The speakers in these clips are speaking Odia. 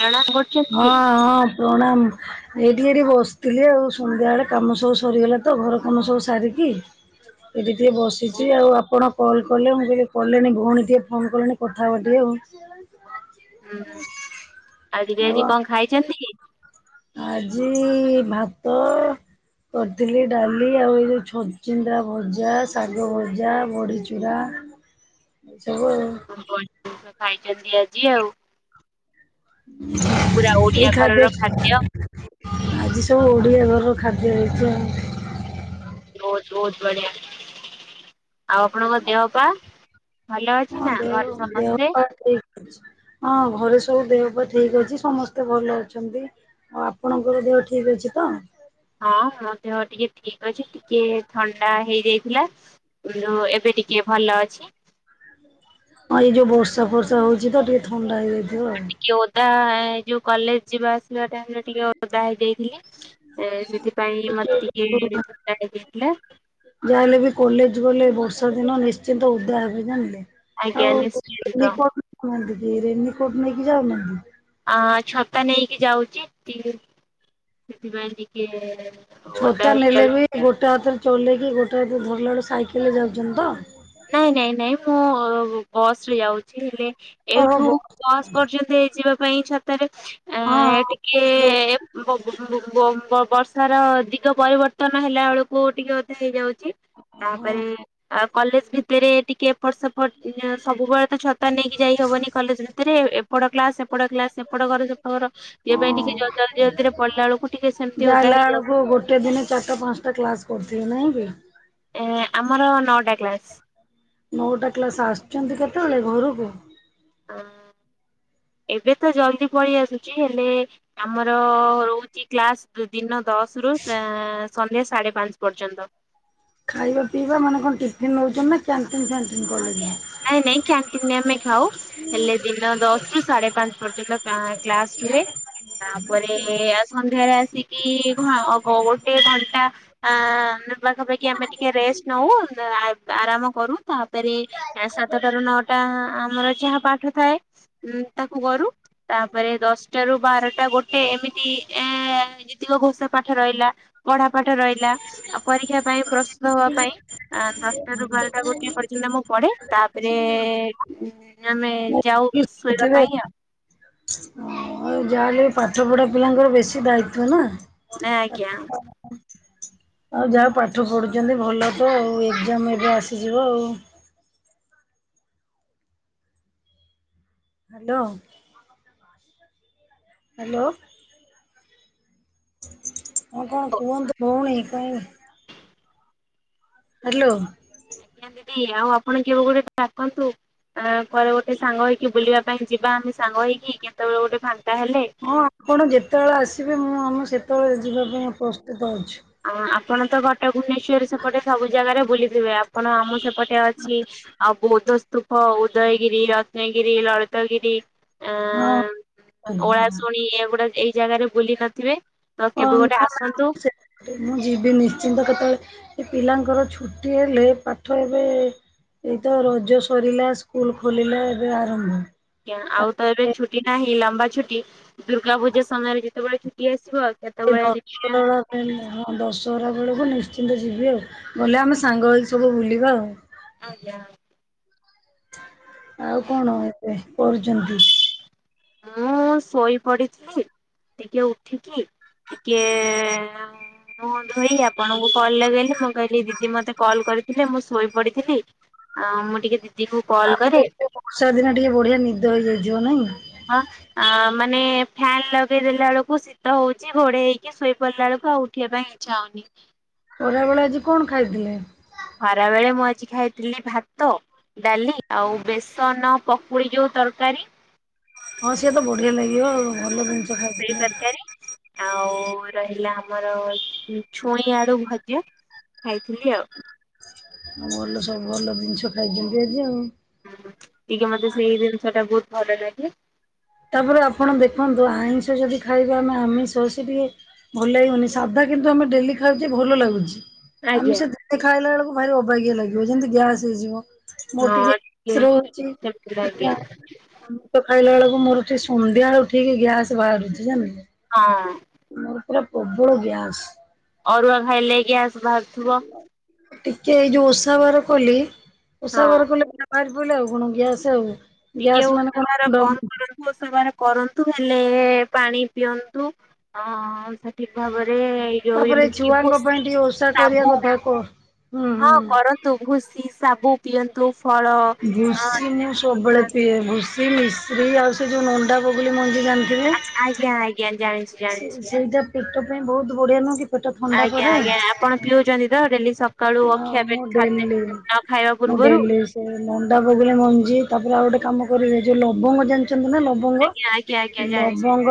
ପ୍ରଣାମ କରୁଛନ୍ତି। ହଁ ହଁ ପ୍ରଣାମ। ଏଇଠି ଟିକେ ଏଠି ବସିଥିଲି ଆଉ ସନ୍ଧ୍ୟାବେଳେ କାମ ସବୁ ସରିଗଲା ତ ଘର କାମ ସବୁ ସାରିକି। ଏବେ ଟିକେ ବସିଚି। ଆଉ ଆପଣ? କଲ୍ କଲେ ମୁଁ କହିଲି କଲେଣି ଭଉଣୀ ଟିକେ ଫୋନ୍ କଲେଣି କଥା ହେବା ଟିକେ ଆଉ। ଉଁ ହୁଁ ଆଉ ଟିକେ ଆଉ ଆଜି କଣ ଖାଇଚନ୍ତି କି? ଆଜି ଭାତ କରିଥିଲି ଡାଲି ଆଉ ଏଇ ଯୋଉ ଛଚିନ୍ଦ୍ରା ଭଜା, ଶାଗ ଭଜା, ବଡ଼ିଚୁରା। ସବୁ ଆଉ। ଭଲ ଖାଇଚନ୍ତି ଆଜି ଆଉ ପୁରା ଓଡିଆ ଘରର ଖାଦ୍ୟ। ଆଜି ସବୁ ଓଡିଆ ଘରର ଖାଦ୍ୟ ହେଇଚି ଆଉ। ବହୁତ ବହୁତ ବଢିଆ। ଆଉ ଆପଣଙ୍କ ଦେହ ପା ଭଲ ଅଛି ହଁ ନା ଦେହ ଘରେ ଦେହ ସମସ୍ତେ? ପା ଠିକ ହଁ ଘରେ ସବୁ ଦେହ ପା ଠିକ ଅଛି ସମସ୍ତେ ଭଲ ଅଛନ୍ତି। ଆଉ ଆପଣଙ୍କର ଦେହ ଠିକ୍ ଅଛି ତ? ହଁ ମୋ ଦେହ ଟିକେ ଠିକ ଅଛି ଟିକେ ଥଣ୍ଡା ହେଇଯାଇଥିଲା। ଯୋଉ ଏବେ ଟିକିଏ ଭଲ ଅଛି। ହଁ ଏଇ ଯୋଉ ବର୍ଷା ଫର୍ଷା ହଉଚି ତ ଟିକେ ଥଣ୍ଡା ହେଇଯାଇଥିବ ଆଉ। ଟିକେ ଓଦା ଏ ଯୋଉ କଲେଜ ଯିବା ଆସିବା ଟାଇମରେ ଟିକେ ଓଦା ହେଇଯାଇଥିଲେ। ଏଁ ସେଥିପାଇଁ ମତେ ଟିକେ ଏବେ ଥଣ୍ଡା ହେଇଯାଇଥିଲା। ଯାହା ହେଲେ ବି କଲେଜ ଗଲେ ବର୍ଷା ଦିନ ନିଶ୍ଚିନ୍ତ ଓଦା ହେବେ ଜାଣିଲେ? ଆଜ୍ଞା ଆଉ ନିଶ୍ଚିନ୍ତ। ରେନିକୋର୍ଟ ନଉ ନାହାଁନ୍ତି କି ରେନିକୋର୍ଟ ନେଇକି ଯାଉ ନାହାଁନ୍ତି? ଆ ଛତା ନେଇକି ଯାଉଚି। ତି ସେଥିପାଇଁ ଟିକେ ଓଦା ଛତା ନେଲେ ହେଇଯାଉଛି। ବି ଗୋଟେ ହାତଥରେ ଚଲେଇକି ଗୋଟେ ହାତରେ ଧରିଲା ବେଳେ ସାଇକେଲରେ ଯାଉଚନ୍ତି ତ? ନାଇଁ ନାଇଁ ନାଇଁ ମୁଁ ଅ ବସରେ ଯାଉଚି। ହେଲେ ଏଇଠୁ ବସ୍ ପର୍ଯ୍ୟନ୍ତ ଏଇ ଯିବା ପାଇଁ ଛତାରେ ଆଁ ଟିକେ ହଁ ଵଉଁ-ବମ-ବମ ବର୍ଷାର ଦିଗ ପରିବର୍ତ୍ତନ ହେଲା ବେଳକୁ ଟିକେ ଓଦା ହେଇଯାଉ ଚି ତା ହଁ ହଁ ପରେ ଆ କଲେଜ ଭିତରେ ଟିକେ ଏପଟ ସେପଟ ଇଏ ସବୁବେଳେ ତ ଛତା ନେଇକି ଯାଇହବନି କଲେଜ ଭିତରେ ଏପଟ କ୍ଲାସ ସେପଟ କ୍ଲାସ ସେପଟ ଘର ସେପଟ ଘର ୟା ପାଇଁ ଟିକେ ହଁ। ଜ-ଜଲ୍ଦି ଜଲ୍ଦି ପଳେଇଲା ବେଳକୁ ଟିକେ ସେମତି ଯାହା ଓଦା ହେଲା ହେଇଯାଉ। ବେଳକୁ ଗୋଟେ ଦିନ ଚାରଟା ପାଞ୍ଚ ଟା କ୍ଲାସ କରୁଥିବେ ନାହିଁ କି? ଏଁ ଆମର ନଅଟା କ୍ଲାସ୍। ନଅଟା କ୍ଲାସ, ଆସୁଛନ୍ତି କେତେବେଳେ ଘରକୁ? ଏବେ ତ ଜଲଦି ପଳେଇ ଆସୁଛି, ହେଲେ ଆମର ରହୁଛି କ୍ଲାସ ଯୋଉ ଦିନ ଦଶରୁ ସା-ଆଁ ସନ୍ଧ୍ୟା ସାଢ଼େ ପାଞ୍ଚ ପର୍ଯ୍ୟନ୍ତ। ଖାଇବା ପିଇବା, ମାନେ କଣ ଟିଫିନ ନଉଛନ୍ତି ନା କ୍ୟାଣ୍ଟିନ୍ ଫ୍ୟାଣ୍ଟିନ୍ କଲେଜରେ? ନାଇଁ ନାଇଁ, କ୍ୟାଣ୍ଟିନରେ ଆମେ ଖାଉ ହେଲେ ଦିନ ଦଶରୁ ସାଢେ ପାଞ୍ଚ ପର୍ଯ୍ୟନ୍ତ କା-କ୍ଲାସ ରୁହେ, ତାପରେ ସନ୍ଧ୍ୟାରେ ଆସିକି ଘ ଗୋଟେ ଘଣ୍ଟା ଆ ପାଖାପାଖି ଆମେ ଟି କେ ରେଷ୍ଟ ନଉ, ଆ-ଆରାମ କରୁ, ତାପରେ ଏ ସାତଟାରୁ ନଅଟା ଆମର ଯାହା ପାଠ ଥାଏ ଉଁ ତାକୁ କରୁ ତାପରେ ଦଶଟାରୁ ବାରଟା ଗୋଟେ ଏମିତି ଏଁ ଯେତିକ ଘୋଷା ପାଠ ରହିଲା ପଢା ପାଠ ରହିଲା, ଆ ପରୀକ୍ଷା ପାଇଁ ପ୍ରସ୍ତୁତ ହବା ପାଇଁ, ଆ ଦଶଟାରୁ ବାରଟା ଗୋଟିଏ ପରୀ କ୍ଷା ଦିନ ମୁଁ ପଢ଼େ, ତାପରେ ଏ ଆମେ ଯାଉ ଶୋଇବା ଥିବେ ପାଇଁ ଆଉ। ଯାହାହେଲେ ବି ପାଠ ପଢା ପିଲାଙ୍କର ବେଶୀ ଦାୟିତ୍ୱ ନା। ନାଇଁ ଆଜ୍ଞା। ଆଉ ଯାହା ପାଠ ପଢୁଛନ୍ତି ଭଲ ତ ଆଉ ଏକ୍ଜାମ ଏବେ ଆସିଯିବ ଆଉ। ହ୍ୟାଲୋ। ହ୍ୟାଲୋ। ଆଉ କଣ କୁହନ୍ତୁ ଭଉଣୀ? କଇଆକୁ ଗଲେ ହ୍ୟାଲୋ। ଆଜ୍ଞା ଦିଦି। ଆଉ ଆପଣ କେବେ ଗୋଟେ ଡାକନ୍ତୁ? ଆଁ କୁଆଡ଼େ ଗୋଟେ ସାଙ୍ଗ ହେଇକି ବୁଲିବା ପାଇଁ ଯିବା ଆମେ ସାଙ୍ଗ ହେଇକି, କେତେବେଳେ ଗୋଟେ ଫାଙ୍କା ହେଲେ ହଁ ଆପଣ ଯେତେବେଳେ ଆସିବେ, ମୁଁ ଆମ ସେତେବେଳେ ଯିବା ପାଇଁ ପ୍ରସ୍ତୁତ ଅଛୁ। ଆପଣ ତ ଗଟେ ଭୁବନେଶ୍ୱରରେ ସେପଟେ ସବୁ ଜାଗାରେ ବୁଲିଥିବେ, ଆପଣ ଆମ ସେପ ଏପଟେ ଅଛି ଆଉ ବୌଦ୍ଧସ୍ତୂପ, ଉଦୟଗିରି, ରତ୍ନଗିରି, ଲଳିତଗିରି ଆ ହଁ ଆଜ୍ଞା ଓଳାଶୁଣି ଏଗୁଡା ଏଇ ଜାଗାରେ ବୁଲି ନଥିବେ? ତ ହଁ କେବେ ଗୋଟେ ନା ନା ଆସନ୍ତୁ ମୁଁ ଯିବି ନିଶ୍ଚିନ୍ତ କେତେବେଳେ ଏ ପିଲାଙ୍କର ଛୁଟି ହେଲେ, ପାଠ ଏବେ ଏଇ ତ ରଜ ସରିଲା, ସ୍କୁଲ ଖୋଲିଲା ଏବେ ଆରମ୍ଭ। ଆଜ୍ଞା। ଆଉ ତ ଏବେ ତାପରେ ଛୁଟି ନାହିଁ ଲମ୍ବା ଛୁଟି, ଦୁର୍ଗା ପୂଜା ସମୟରେ ଯେତେବେଳେ ଛୁଟି ଆସିବ ଏଇ ସେତେବେଳେ [unintelligible] ଦେଖିବା ହେଲେ ହଁ, ଦଶହରା ବେଳକୁ ନିଶ୍ଚିନ୍ତ ଯିବି ଆଉ। ଗଲେ ଆମେ ସାଙ୍ଗ ହେଇକି ସବୁ ବୁଲିବା ଆଉ। ଆଜ୍ଞା। ଆଉ କଣ ଏବେ କରୁଚନ୍ତି? ମୁଁ ଶୋଇ ପଡିଥିଲି, ଟିକେ ଉଠିକି, ଟିକେ ମୁହଁ ଧୋଇ, ଆପଣଙ୍କୁ କଲ ଲଗେଇଲି, ମୁଁ କହିଲି ଦିଦି ମତେ କଲ୍ କରିଥିଲେ ମୁଁ ଶୋଇ ପଡିଥିଲି ଆଉ ମୁଁ ଟିକେ ଦିଦିକୁ କଲ୍ ତାପରେ କରେ ଏ ବର୍ଷା ଦିନ ଟିକେ ବଢିଆ ନିଦ ହେଇଯାଇଥିବ ନାଇଁ? ହଁ। ଆ ମାନେ ଫ୍ୟାନ ଲଗେଇଦେଲା ବେଳକୁ ଶୀ ଶୀତ ହଉଛି, ଘୋଡ଼େଇ ହେଇକି ଶୋଇ ପଡ଼ିଲା ବେଳକୁ ଆଉ ଉଠିବା ପାଇଁ ଇଚ୍ଛା ହଉନି। ଖରାବେଳେ ଆଜି କଣ ଖାଇଥିଲେ? ଖରାବେଳେ ମୁଁ ଆଜି ଖାଇଥିଲି ଭାତ ଡାଲି ଆଉ ବେସନ ପକୁଡି ଯୋଉ ତରକାରୀ? ହଁ ସିଏ ତ ବଢିଆ ଲାଗିବ ଆଉ। ଭଲ ହଁ ଜିନିଷ ସେଇ ଖାଇଥିଲେ। ତରକାରୀ ଆଉ ରହିଲା ଆମର, ଛୁଇଁ ଆଳୁ ଭଜା, ଖାଇଥିଲି ଆଉ। ଆଉ ଭଲ ସବୁ ଭଲ ଜିନିଷ ଖାଇଛନ୍ତି ଆଜି ଆଉ। ହୁଁ ହୁଁ। ଟିକେ ମତେ ସେଇ ଜିନିଷଟା ବହୁତ ଭଲ ଲାଗେ ତାପରେ ଆପଣ ଦେଖନ୍ତୁ, ଆଇଁଷ ଯଦି ଖାଇବେ ଆମେ ଆମିଷ, ସେ ଟିକେ ଭଲ ଲାଗିବନି, ସାଧା କିନ୍ତୁ ଆମେ ଡେଲି ଖାଉଛେ ଭଲ ଲାଗୁଛି। ଆଜ୍ଞା ଆମିଷ ଯେତେ ଖାଇଲା ବେଳକୁ ଭାରି ଅବାଗିଆ ଲାଗିବ ଯେମିତି ଗ୍ୟାସ୍ ହେଇଯିବ। ମୋର ହଁ ଟିକେ ସ୍ଲୋ ଟିକେ ଅଛି ସେମିତି ଲାଗେ ଆଞା। ଆମିଷ ଖାଇଲା ବେଳକୁ ମୋର ଠିକ୍ ସନ୍ଧ୍ୟାବେଳକୁ ଠିକ ଗ୍ୟାସ ବାହାରୁଛି ଜାଣିଲେ। ହଁ। ମୋର ପୁରା ପ୍ରବଳ ବ୍ୟାସ। ଅରୁଆ ଖାଇଲେ ଗ୍ୟାସ ବାହାରୁଥିବ? ଟିକେ ଏଇ ଯୋଉ ଓଷା ବାର କଲି ଓଷା ହଁ ବାର କଲେ [unintelligible] ବାହାରି ପଡ଼ିଲା ଆଉ କଣ ଗ୍ୟାସ୍ ଆଉ ଟିକେ ଗ୍ୟାସ୍ ମାନେ ଓଷା ବାର କଣ କମ ଡମ କରନ୍ତୁ ଓଷା ବାର କରନ୍ତୁ ନ ହେଲେ ପାଣି ପିଅନ୍ତୁ ଅ ଆମିଷ ଠିକ ଭାବରେ ଏଇ ଯୋଉ ତାପରେ ଯେମିତି କି ଭୂଷି ଶାଗୁ କୁହ। ହଁ କରନ୍ତୁ ଭୂଷି ଶାବୁ ପିଅନ୍ତୁ ଫଳ ହଁ ଭୁଷି ମୁଁ ଯେତିକି ସବୁବେଳେ ଖାଆନ୍ତୁ। ପିଏ ଭୁଷ ଷି ମିଶ୍ରୀ ଆଉ ସେ ଯୋଉ ନଣ୍ଡା ବଗୁଲି ମଞ୍ଜି ଜାଣିଥିବେ! ଆଜ୍ଞା ଆଜ୍ଞା ଜାଣି ସେ ସେଇଟା ପେଟ ପାଇଁ ବହୁତ ବଢିଆ ନୁହଁ କି? ପେଟ ଥଣ୍ଡା ଆଜ୍ଞା କରେ। ଆଜ୍ଞା ଆପଣ ପିଉଛନ୍ତି ତ ଡେଲି ସକ୍ ସକାଳୁ ହଁ ଅଖିଆ ମୁଁ ପେଟ ଖାଦ୍ୟ ଡେଲି ନ ଖାଇବା ମୁଁ ପୂର୍ବରୁ ଡେଲି ସେ ନଣ୍ଡା ବଗୁଲି ମଞ୍ଜି ତାପରେ ଆଉ ଗୋଟେ କାମ କରିବେ ଯୋଉ ଲବଙ୍ଗ ଜାଣିଛନ୍ତି ନା ଲବଙ୍ଗ ଆଜ୍ଞା ଆଜ୍ଞା ଜାଣିଛି ଲବଙ୍ଗ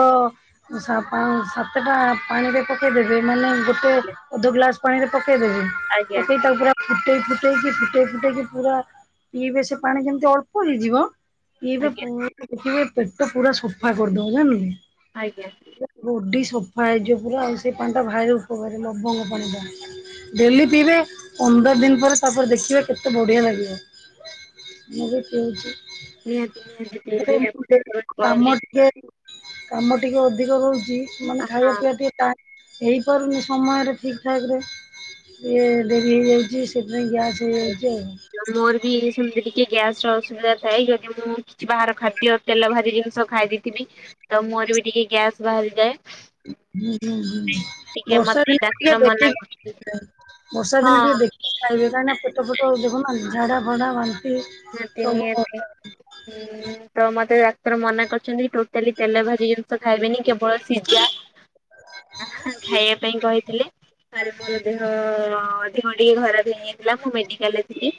ସା ପା ସାତଟା ପାଣିରେ ପକେଇଦବେ ମାନେ ଗୋଟେ ଅଧ ଗ୍ଲାସ ପାଣିରେ ପକେଇଦେବେ ଆଜ୍ଞା ପକେଇକି ତାକୁ ପୁରା ଫୁଟେଇ ଫୁଟେଇକି ଫୁଟେଇ ଫୁଟେଇକି ପୁରା ପିଇବେ ସେ ପାଣି ଯେମିତି ଅଳ୍ପ ହେଇଯିବ ପିଇବେ ଆଜ୍ଞା ପୁ ପୁରା ପେଟ ପୁରା ସଫା କରିଦବ ଜାଣିଲୁ। ଆଜ୍ଞା। ବଡି ସଫା ହେଇଯିବ ପୁରା ଆଉ ସେଇ ପାଣିଟା ଭାରି ଉପକାରୀ ଲବଙ୍ଗ ପାଣିଟା। ଡେଲି ପିଇବେ ପନ୍ଦର ଦିନ ପରେ ତାପରେ ଦେଖିବେ କେତେ ବଢିଆ ଲାଗିବ। ମୁଁ ବି ପିଉଛି ନିହାତି ନିହାତି ପିଇବି ଆପଣ ଯେତେବେଳେ [unintelligible] କହିଲେ କାମ ଟିକେ କାମ ଟିକେ ଅଧିକ ରହୁଛି ମାନେ ଖାଇବା ହଁ ପିଇବା ଟିକେ ଟାଇମ ହେଇପାରୁନି ସମୟରେ ଠିକ୍ ଠାକ୍ ରେ ଇଏ ଡେରି ହେଇଯାଉଛି ସେଥିପାଇଁ ଗ୍ୟାସ୍ ହେଇଯାଉଛି ଆଉ। ମୋର ବି ସେମିତି ଟିକେ ଗ୍ୟାସ ର ଅସୁବିଧା ଥାଏ ଯଦି ମୁଁ କିଛି ବାହାର ଖାଦ୍ୟ ତେଲ ଭାଜି ଜିନିଷ ଖାଇ ଦେଇଥିବି ତ ମୋର ବି ଟିକେ ଗ୍ୟାସ୍ ବାହାରିଯାଏ। ହୁଁ ହୁଁ ହୁଁ ଟିକେ ବର୍ଷା ମତେ ଦିନେ ଡାକ୍ତର ଟିକେ ମନା କରୁଛନ୍ତି ଦେଖିକି ବର୍ଷା ଦିନେ ଟିକେ ହଁ ଦେଖିକି ଖାଇବେ କାହିଁକିନା ପେଟ ଫେଟ ଦେଖୁନାହାଁନ୍ତି ଝାଡା ଫାଡା ବାନ୍ତି ନିହାତି ସବୁ ନିହାତି ଉଁ ତ ମତେ ଡାକ୍ତର ମନା କରିଛନ୍ତି ପ୍ରୋ ଖାଲି ତେଲ ଭାଜି ଜିନିଷ ଖାଇବେନି କେବଳ ସିଝା ଖାଇବା ପାଇଁ କହି ହେଲେ ତାରେ ମୋର ଦେହ ଅଧିକ ଟିକେ ଖରାପ ହେଇଯାଇଥିଲା ମୁଁ ମେଡିକାଲରେ ଥିଲି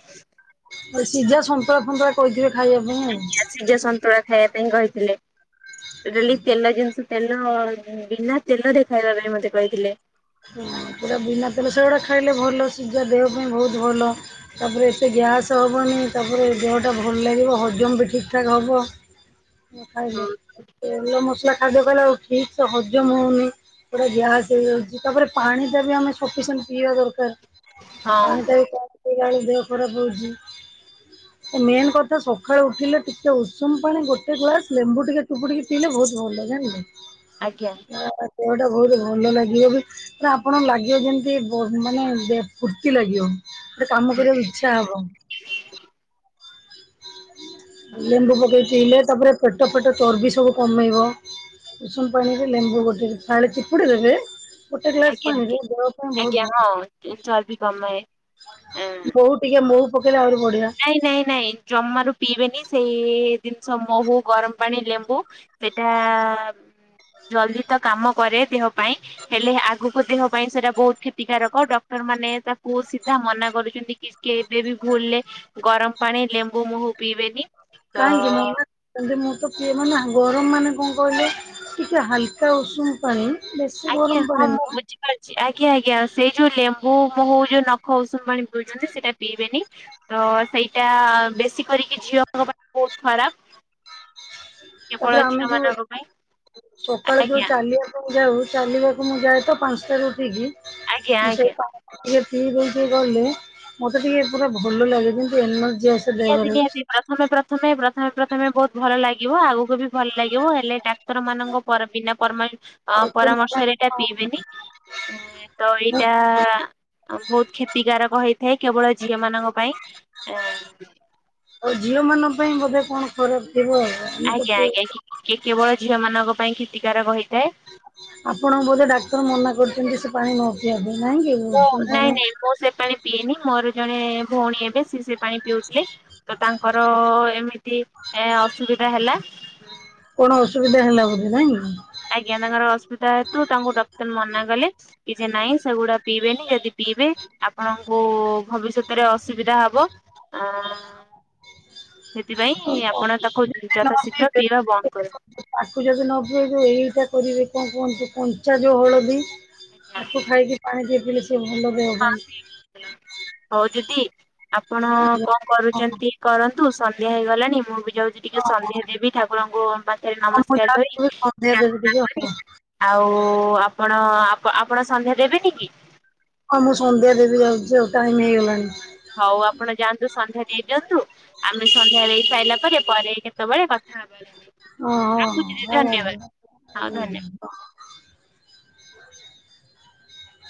ସିଝା ସନ୍ତୁଳା ଫୁନ୍ତୁଳା କହିଥିବେ ଖାଇବା ପାଇଁ ଆଉ। ସିଜା ସନ୍ତୁଳା ଖାଇବା ପାଇଁ କହିଥିଲେ ଟୋଟାଲି ତେଲ ଜିନିଷ ତେଲ ବିନା ତେଲରେ ଖାଇବା ପାଇଁ ମୋତେ କହିଥିଲେ। ହଁ ପୁରା ବିନା ତେଲ ସେଗୁଡ଼ା ଖାଇଲେ ଭଲ ଶିଝା ଦେହ ପାଇଁ ବହୁତ ଭଲ। ତାପରେ ଏତେ ଗ୍ୟାସ ହବନି ତାପରେ ଦେହଟା ଭଲ ଲାଗିବ ହଜମ ବି ଠିକ ଠାକ୍ ହବ। [unintelligible] ଖାଇଲେ ହଁ ତେଲ ମସଲା ଖାଦ୍ୟ ଖାଇଲାଳୁକୁ ଆଉ ଠିକ୍ ସେ ହଜମ ହଉନି ପୁରା ଗ୍ୟାସ ହେଇଯାଉଛି। ଯେ ତାପରେ ପାଣିଟା ବି ଆମେ ସଫିସିଏଣ୍ଟ ପିଇବା ଦରକାର, ପାଣିଟା ବି [unintelligible] ସେ ପାଣି ଦେହ ଖରାପ ରଉଚି। ମେନ୍ କଥା ସଖାଳୁ ଉଠିଲେ ଟିକେ ଉଷୁମ ପାଣି ଗୋଟେ ଗ୍ଲାସ ଲେମ୍ବୁ ଟିକେ ଚୁପୁଡ଼ିକି ପିଇଲେ ବହୁତ ଭଲ ଯାଣିିଲେ, ଆଜ୍ଞା ଆ ଦେହଟା ବହୁତ ଭଲ ଲାଗିବ ବି ତାପରେ ଆପଣ ଲାଗିବ ଯେମିତି ବ ମାନେ ବେ ଫୁର୍ତ୍ତି ଲାଗିବ, ଗୋଟେ କାମ କରିବାକୁ ଇଛ ଟାବ ଲେମ୍ବୁ ପକେଇକି ପିଇଲେ ତାପରେ ପେଟ ପେଟ ଚର୍ବି ସବୁ କମେଇବ। ଉଷୁନ ପାଣିରେ ଲେମ୍ବୁ ଗୋଟେ। ପାଣି ଚିପୁଡ଼ି ଦେବେ ଗୋଟେ ଗ୍ଲାସ୍ ଆଜ୍ଞା ପାଣିରେ ଆଜ୍ଞା ଦେହ ପାଇଁ ଆଜ୍ଞା ବହୁତ ଭଲ। ହଁ ଚର୍ବି କମାଏ। ବୋହୁତ୍ ଟିକେ ମୋହୁ ପକେଇଲେ ଆହୁରି ବଢିଆ। ନାଇଁ ନାଇଁ ନାଇଁ, ଜମାରୁ ପିଇବେନି ସେଇ ଜିନିଷ ମହୁ, ଗରମ ପାଣି, ଲେମ୍ବୁ ସେଟା ଜଲଦି ତ କାମ କରେ ଦେହ ପାଇଁ। ହେଲେ ଆଗକୁ ଦେହ ପାଇଁ ସେଟା ବହୁତ କ୍ଷତିକାରକ। ଡକ୍ଟର ମାନେ ତାକୁ ସିଧା ମନା କରୁଛନ୍ତି କି କେବେ ବି ଭୁଲ୍ ରେ ଗରମ ପାଣି, ଲେମ୍ବୁ, ମୁହୁ, ପିଇବେନି। ତ କାହିଁଙ୍ଗି ମନା ସେମିତି ମୁଁ ତ ପି ମାନେ ଗରମ ମାନେ କଣ କହିଲୁ ଟିକେ ହାଲକା ଉଷୁମ ପାଣି ବେଶୀ ଗରମ ଆଜ୍ଞା ପାଣି ହଁ ମୁଁ ନୁହଁ ବୁଝି ଆଜ୍ଞା ଆଜ୍ଞା। ସେ ଯୋଉ ଲେମ୍ବୁ, ମହୁ ଯୋଉ ନଖ ଉଷୁମ ପାଣି ପିଉଛନ୍ତି, ସେଇଟା ପିଇବେନି। ତ ସେଇଟା ବେଶୀ କରିକି ଝିଅଙ୍କ ପାଇଁ ବହୁତ ଖରାପ। କେବଳ ତାପରେ ଆମେ ଝିଅ ଯୋଉ, ମାନଙ୍କ ପାଇଁ ସକାଳୁ ଯୋଉ ଆଜ୍ଞା ଚାଲି ଆ ଯାଉ, ଚାଲିବାକୁ ମୁଁ ଯାଏ ତ ପାଞ୍ଚଟାରୁ ଉଠିକି, ଆଜ୍ଞା ମୁଁ ଆଜ୍ଞା ସେଇ ପା ଟିକେ ପିଇଦେଇକି ଗଲେ ମତେ ଟିକେ ପୁରା ଭଲ ଲାଗେ। ଯେମିତି ଏନର୍ଜି ଆସେ। ନିହାତି ଦେହରେ ନିହାତି। ପ୍ରଥମେ, ପ୍ରଥମେ, ପ୍ରଥମେ ପ୍ରଥମେ ବହୁତ ଭଲ ଲାଗିବ। ଆଗକୁ ବି ଭଲ ଲାଗିବ। ହେଲେ ଟା ଡାକ୍ତର ମାନଙ୍କ ପରା- ବିନା ପରମାନ, ଆ ଆଉ ସେ ମାନେ ପରାମର୍ଶରେ ଏଇଟା ପିଇବେନି। ହଁ ତ ମୁଁ- ଏଇଟା ବହୁତ କ୍ଷତିକାରକ ହେଇଥାଏ କେବଳ ଝିଅ ମାନଙ୍କ ପାଇଁ। ଏ ଆଉ ଝିଅ ମାନଙ୍କ ପାଇଁ ବୋଧେ କଣ ଖରାପ ଥିବ ଆ? ଆଜ୍ଞା ଆଜ୍ଞା। କେ- କେ କେବଳ ଝିଅ ମାନଙ୍କ ପାଇଁ କ୍ଷତିକାରକ ହୋଇଥାଏ। ଆପଣଙ୍କୁ ବୋଧେ ଡାକ୍ତର ମନା କରିଚନ୍ତି ସେ ପାଣି ନ ପିଇବା ପାଇଁ, ନାଇଁକି ମୁଁ ଉଷୁମ ନାଇଁ ପାଣି? ନାଇଁ ମୁଁ ସେ ପାଣି ପିଏନି ମୋର ଜଣେ ଭଉଣୀ ହେବେ ସିଏ ସେ ପାଣି ପିଉଥିଲେ। ତ ତାଙ୍କର ଏମିତି ଏ ଅସୁବିଧା ହେଲା। କଣ ଅସୁବିଧା ହେଲା ବୋଧେ ନାଇଁ? ଆଜ୍ଞା, ତାଙ୍କର ଅସୁବିଧା ହେତୁ ତାଙ୍କୁ ଡକ୍ଟର ମନା କଲେ, କି ଯେ ନାଇଁ ସେଗୁଡା ପିଇବେନି। ଯଦି ପିଇବେ, ଆପଣଙ୍କୁ ଭବିଷ୍ୟତରେ ଅସୁବିଧା ହବ। ଆ ସେଥିପାଇଁ, ଆଉ କଣ ଆପଣ ତାକୁ ଯେବେ ନ ଯଥାଶୀଘ୍ର ପିଇବେ ପିଇବା ବନ୍ଦ କରନ୍ତୁ। ତାକୁ ଯଦି ନ ପିଉଛୁ ଯୋଉ ଏଇଟା କରିବେ, କଣ କୁହନ୍ତୁ କଞ୍ଚା ଯୋଉ ହଳଦୀ ଆକୁ ଖାଇକି ପାଣି ଟିକେ ପିଇଲେ ସେ ଭଲ ଦବ ହଁ ସେ କଲା। ହଉ ଦିଦି ଆପଣ ଆଜ୍ଞା। କଣ ହଁ କରୁଛନ୍ତି? କରନ୍ତୁ। ସନ୍ଧ୍ୟା ହେଇଗଲାଣି। ମୁଁ ବି ଯାଉଛିି ଟିକେ ସନ୍ଧ୍ୟା ଦେବି ଠାକୁରଙ୍କୁ ପାଖରେ ମୁଁ ନମସ୍କାର କରି, ଯାଉଚି ସନ୍ଧ୍ୟା ଦେବି ପ୍ରାର୍ଥନା ଟିକେ କରି ଆଉ। ଆଉ ଆପଣ ଆପ ଆପଣ ସନ୍ଧ୍ୟା ଦେବେନି କି? ହଁ ମୁଁ ସନ୍ଧ୍ୟା ଦେବି ଯାଉଛି ଆଉ, ଟାଇମ୍ ହେଇଗଲାଣି। ହଉ ଆପଣ ଯାଆନ୍ତୁ ସନ୍ଧ୍ୟା ଦେଇ ଦିଅନ୍ତୁ, ଆମେ ସନ୍ଧ୍ୟା ଦେଇ ସାରିଲା ପରେ କେତେବେଳେ କଥା ରଖୁଛି ଦିଦି ଧନ୍ୟବାଦ। ହଁ ଧନ୍ୟବାଦ।